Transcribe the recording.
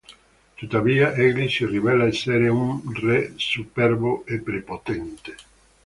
Tuttavia egli si rivela essere un re superbo e prepotente.